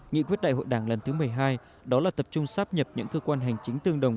nghị quyết đại hội đảng lần thứ một mươi hai đó là tập trung sắp nhập những cơ quan hành chính tương đồng